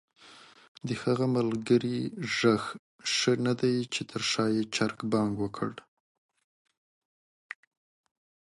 د هغه ملګري ږغ ښه ندی چې تر شا ېې چرګ بانګ وکړ؟!